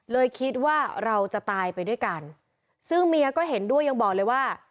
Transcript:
คิดว่าเราจะตายไปด้วยกันซึ่งเมียก็เห็นด้วยยังบอกเลยว่า